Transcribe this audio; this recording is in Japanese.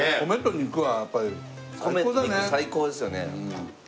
米と肉最高ですよね。